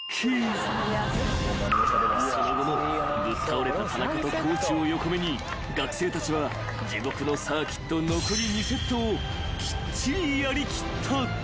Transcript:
［その後もぶっ倒れた田中と地を横目に学生たちは地獄のサーキット残り２セットをきっちりやり切った］